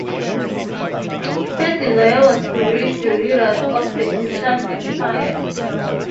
Her desire was to reach the leaders of the Kushan Empire.